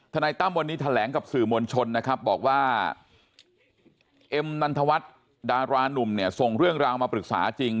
ทนัยต้ำวันนี้แถลงกับสื่อวนชนบอกว่าเอมนันทวัตรดารานุ่มทรงเรื่องราวมาปรึกษาจริง